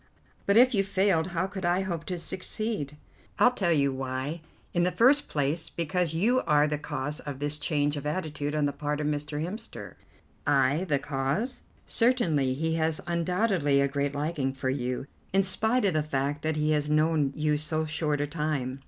"But if you failed, how could I hope to succeed?" "I'll tell you why. In the first place because you are the cause of this change of attitude on the part of Mr. Hemster." "I the cause?" "Certainly. He has undoubtedly a great liking for you, in spite of the fact that he has known you so short a time.